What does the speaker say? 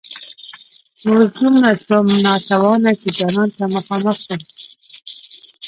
اوس دومره شوم ناتوانه چي جانان ته مخامخ شم